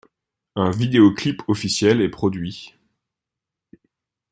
Un vidéo clip officiel est produit.